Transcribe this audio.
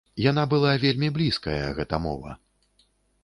Яна была вельмі блізкая, гэта мова.